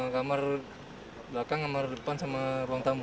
kamar belakang kamar depan sama ruang tamu